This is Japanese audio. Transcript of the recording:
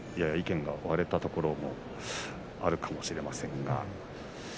やや意見が分かれたところもあるかもしれません。